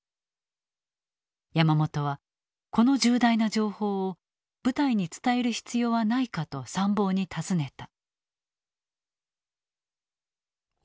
山本はこの重大な情報を部隊に伝える必要はないかと参謀に尋ねた。